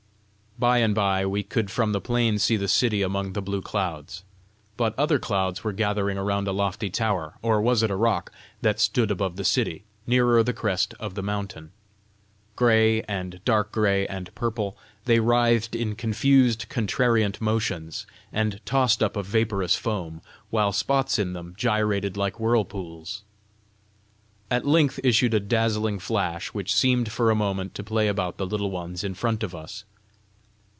By and by we could from the plain see the city among the blue clouds. But other clouds were gathering around a lofty tower or was it a rock? that stood above the city, nearer the crest of the mountain. Gray, and dark gray, and purple, they writhed in confused, contrariant motions, and tossed up a vaporous foam, while spots in them gyrated like whirlpools. At length issued a dazzling flash, which seemed for a moment to play about the Little Ones in front of us.